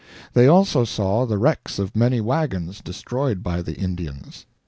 They also saw the wrecks of many wagons destroyed by the Indians.